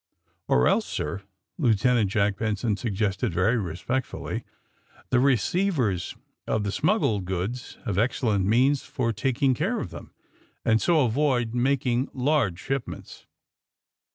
'' '^Or else, sir," Lieutenant Jack Benson sug gested, very respectfully, ^^the receivers of the smuggled goods have excellent means for taking care of them, and so avoid making large ship ments."